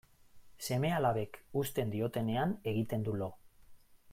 Seme-alabek uzten diotenean egiten du lo.